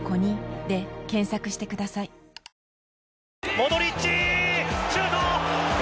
モドリッチシュート！